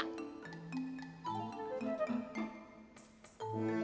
sini lu mau gak